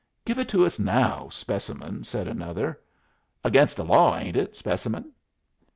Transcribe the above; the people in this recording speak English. "Give it to us now, Specimen," said another. "Against the law, ain't it, Specimen?"